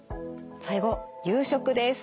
最後夕食です。